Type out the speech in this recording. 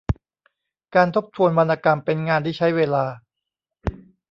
การทบทวนวรรณกรรมเป็นงานที่ใช้เวลา